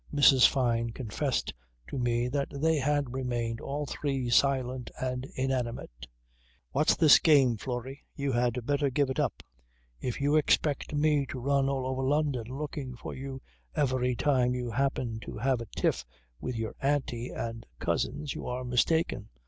Mrs. Fyne confessed to me that they had remained all three silent and inanimate. He turned to the girl: "What's this game, Florrie? You had better give it up. If you expect me to run all over London looking for you every time you happen to have a tiff with your auntie and cousins you are mistaken.